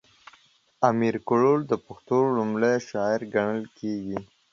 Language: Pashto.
امير کروړ د پښتو ړومبی شاعر ګڼلی کيږي